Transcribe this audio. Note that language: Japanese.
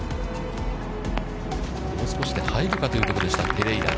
もう少しで入るかというところでした、ペレイラ。